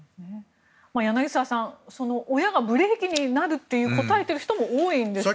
柳澤さん親がブレーキになると答えている人も多いですよね。